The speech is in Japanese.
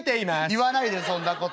「言わないでそんなこと」。